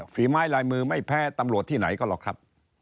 ฝีไม้ลายมือไม่แพ้ตำรวจที่ไหนก็หรอกครับ